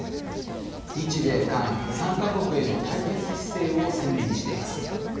日米韓３か国への対決姿勢を鮮明にしています。